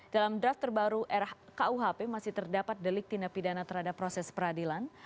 dalam draft terbaru rkuhp masih terdapat delik tindak pidana terhadap proses peradilan